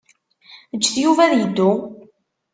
Ǧǧet Yuba ad yeddu.